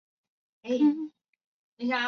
邻近的圣阿加莎教堂也遭受了一些损毁。